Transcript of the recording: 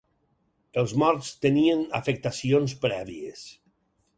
Els morts tenien afectacions prèvies